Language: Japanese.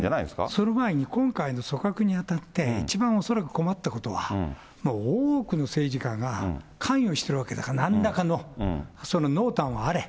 その前に今回の組閣に当たって、一番恐らく困ったことは、多くの政治家が関与してるわけだから、なんらかの、その濃淡はあれ。